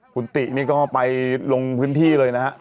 คุณตินี่ก็ไปลงพื้นที่เลยนะฮะ